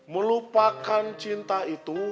melupakan cinta itu